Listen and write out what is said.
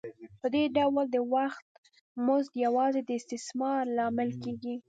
په دې ډول د وخت مزد یوازې د استثمار لامل کېږي